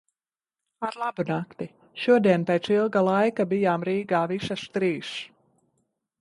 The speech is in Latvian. Ar labu nakti. Šodien pēc ilga laika bijām Rīgā visas trīs.